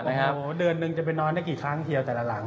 เดือนหนึ่งจะไปนอนได้กี่ครั้งเที่ยวแต่ละหลัง